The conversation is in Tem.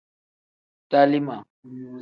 Dalima.